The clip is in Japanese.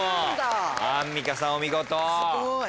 アンミカさんお見事。